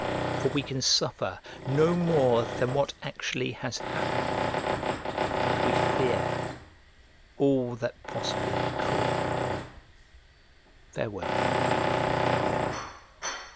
For we can suffer no more than what actually has happened but we fear all that possibly could happen. Farewell.